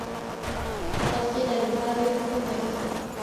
وَقَدْ قِيلَ لِبَعْضِ الْحُكَمَاءِ